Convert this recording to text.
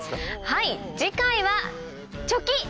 はい次回はチョキッ！